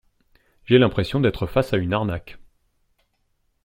J’ai l’impression d’être face à une arnaque.